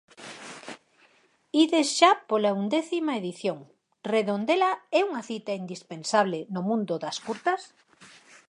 Ides xa pola undécima edición, Redondela é unha cita indispensable no mundo das curtas?